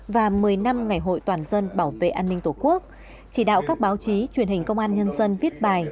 và một mươi năm ngày hội toàn dân bảo vệ an ninh tổ quốc chỉ đạo các báo chí truyền hình công an nhân dân viết bài